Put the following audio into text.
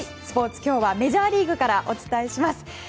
スポーツ今日はメジャーリーグからお伝えします。